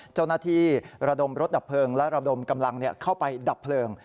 เจ้าหน้าที่ระดมรถดับเพลิงและระดมกำลังเข้าไปดับเพลิง